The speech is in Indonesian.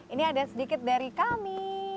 ini ada sedikit dari kami